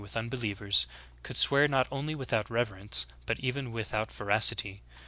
with unbelievers ; could swear not only without reverence, but even without veracity.